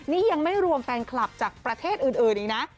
นี่ยังไม่รวมแฟนคลับจากประเทศอื่นอีกนะ